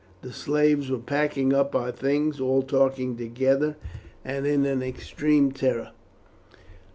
The slaves were packing up our things, all talking together, and in an extreme terror.